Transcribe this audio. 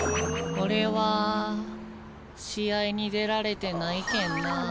俺は試合に出られてないけんなぁ。